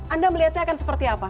anda melihatnya akan seperti apa